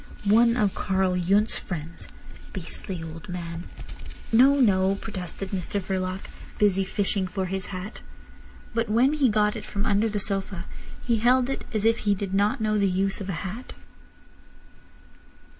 "One of Karl Yundt's friends—beastly old man." "No! No!" protested Mr Verloc, busy fishing for his hat. But when he got it from under the sofa he held it as if he did not know the use of a hat.